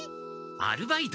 アルバイトに。